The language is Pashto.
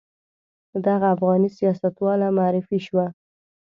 دغه افغاني سیاستواله معرفي شوه.